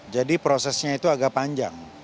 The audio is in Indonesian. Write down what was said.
jadi prosesnya itu agak panjang